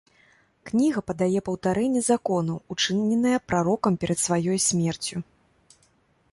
Кніга падае паўтарэнне закону, учыненае прарокам перад сваёй смерцю.